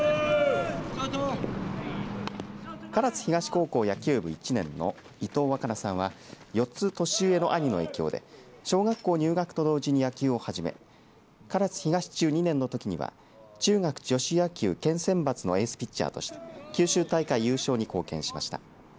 唐津東高校野球部１年の伊藤羽叶さんは４つ年上の兄の影響で小学校入学と同時に野球を始め唐津東中２年のときには中学女子野球県選抜のエースピッチャーとして九州大会優勝に貢献しました。